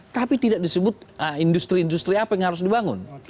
tapi tidak disebut industri industri apa yang harus dibangun